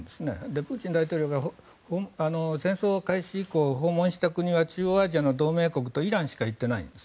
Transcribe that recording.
プーチン大統領が戦争開始以降に訪問した国は中央アジアの同盟国とイランしか行っていないんです。